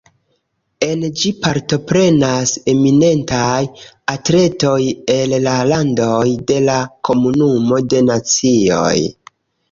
En ĝi partoprenas eminentaj atletoj el la landoj de la Komunumo de Nacioj.